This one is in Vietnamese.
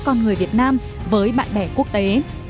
con người việt nam với bạn bè quốc tế